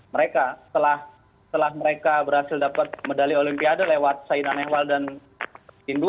mereka setelah mereka berhasil dapat medali olimpiade lewat saina nehwal dan hindu